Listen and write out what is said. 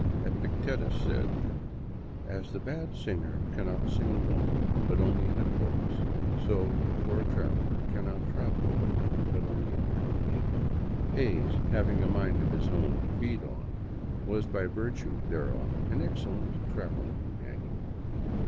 Epictetus says, " As the bad singer cannot sing alone, but only in chorus, so a poor travelej cannot travel alone, but only in company." Hays, having a mind of his own to feed on, was by virtue thereof an excellent traveling companion.